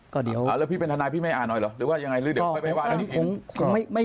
แล้วพี่เป็นทนายพี่ไม่อ่านอยู่หรือว่ายังไงหรือเดี๋ยวไปว่ายังไง